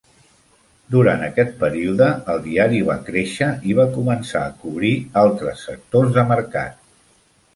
Durant aquest període, el diari va créixer i va començar a cobrir altres sectors de mercat.